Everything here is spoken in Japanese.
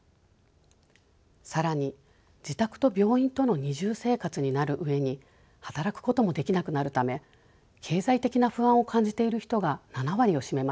更に自宅と病院との二重生活になる上に働くこともできなくなるため経済的な不安を感じている人が７割を占めました。